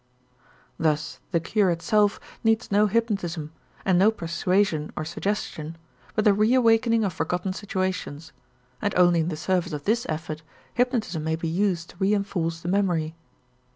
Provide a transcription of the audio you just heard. Thus the cure itself needs no hypnotism and no persuasion or suggestion but the reawakening of forgotten situations, and only in the service of this effort hypnotism may be used to reënforce the memory.